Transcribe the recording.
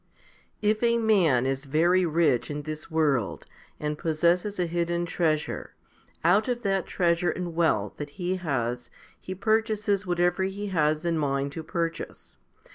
i. IF a man is very rich in this world, and possesses a hidden treasure, out of that treasure and wealth that he has he purchases whatever he has a mind to purchase.